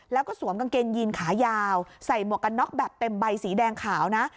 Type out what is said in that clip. แล้วก็สวมกางเกงยีนขายาวใส่หมวกกันน็อกแบบเต็มใบสีแดงขาวนะ